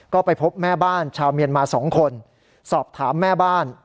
ก็ไปพบแม่บ้านชาวเมียนมา๒คนสอบถามแม่บ้าน